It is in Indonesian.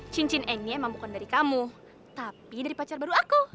cincin engnya emang bukan dari kamu tapi dari pacar baru aku